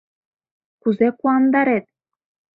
— Кузе куандарет?..